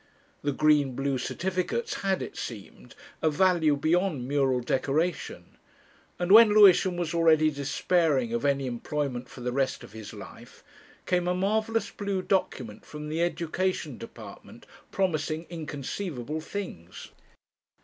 The green blue certificates had, it seemed, a value beyond mural decoration, and when Lewisham was already despairing of any employment for the rest of his life, came a marvellous blue document from the Education Department promising inconceivable things.